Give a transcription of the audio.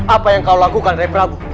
apa yang kau lakukan dari prabu